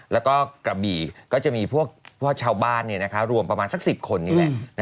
แล้วก็กระบี่ก็จะมีพวกชาวบ้านรวมประมาณสัก๑๐คนนี่แหละ